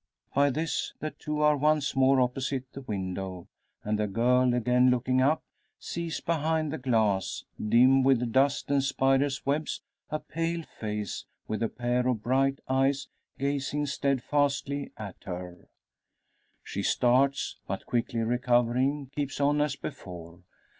By this the two are once more opposite the window, and the girl again looking up, sees behind the glass dim with dust and spiders' webs a pale face, with a pair of bright eyes gazing steadfastly at her. She starts; but quickly recovering, keeps on as before.